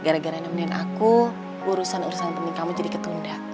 gara gara nemenin aku urusan urusan penting kamu jadi ketunda